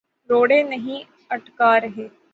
روڑے نہیں اٹکا رہے۔